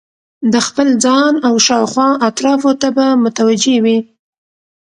د خپل ځان او شاوخوا اطرافو ته به متوجه وي